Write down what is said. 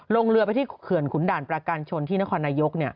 ลงเรือไปที่เขื่อนขุนด่านประการชนที่นครนายก